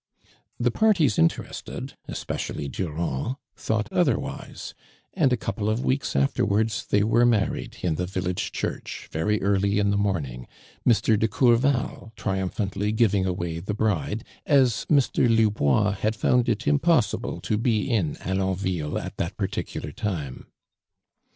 "' The parties interested, especially Durand, thought otherwise, and a couple of weeks afterwards they were married in tlio village church, very early in the morning, Mr. de Courval triumphantly giving away the bride, as Mr. Lubois had found it impossible to be in Alonville at that particular time.